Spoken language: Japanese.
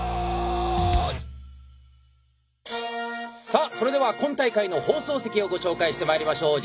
さあそれでは今大会の放送席をご紹介してまいりましょう。